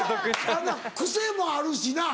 あのな癖もあるしな。